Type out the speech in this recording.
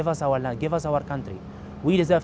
berikan kita dunia berikan kita negara